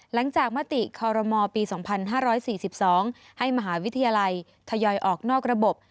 มติคอรมอปี๒๕๔๒ให้มหาวิทยาลัยทยอยออกนอกระบบ